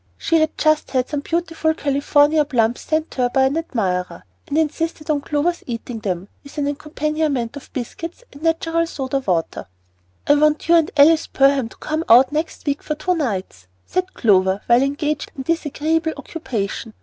She had just had some beautiful California plums sent her by an admirer, and insisted on Clover's eating them with an accompaniment of biscuits and "natural soda water." "I want you and Alice Perham to come out next week for two nights," said Clover, while engaged in this agreeable occupation.